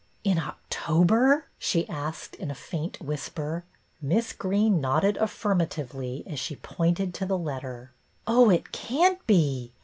"In October.?" she asked in a faint whisper. Miss Greene nodded affirmatively as she pointed to the letter. " Oh, it can't be